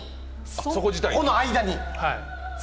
この間に。